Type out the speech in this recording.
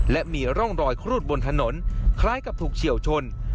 และมีร่องรอยครูดบนถนนคล้ายกับถูกเฉียวชน